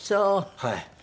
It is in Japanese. はい。